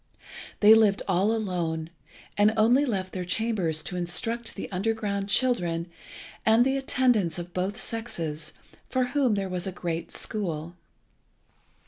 They lived all alone, and only left their chambers to instruct the underground children and the attendants of both sexes, for whom there was a great school.